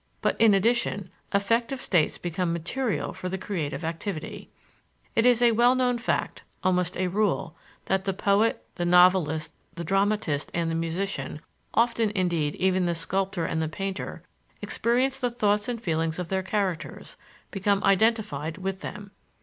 But, in addition, affective states become material for the creative activity. It is a well known fact, almost a rule, that the poet, the novelist, the dramatist, and the musician often, indeed, even the sculptor and the painter experience the thoughts and feeling of their characters, become identified with them.